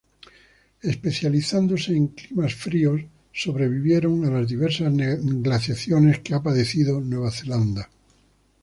Especializándose en climas fríos, sobrevivieron a las diversas glaciaciones que ha padecido Nueva Zelanda.